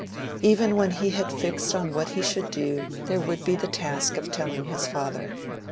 Even when he had fixed on what he should do, there would be the task of telling his father.